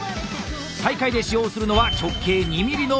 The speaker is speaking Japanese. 大会で使用するのは直径２ｍｍの模擬血管。